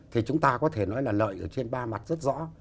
thì chúng ta có thể nói là lợi ở trên ba mặt rất rõ